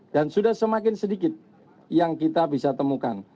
sudah semakin sedikit yang kita bisa temukan